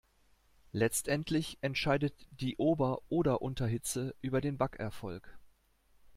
Letztendlich entscheidet die Ober- oder Unterhitze über den Backerfolg.